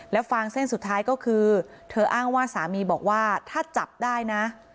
แล้วฟางเส้นสุดท้ายก็คือเธออ้างว่าสามีบอกว่าถ้าจับได้นะ